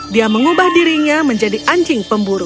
dia mengubah dirinya menjadi anjing pemburu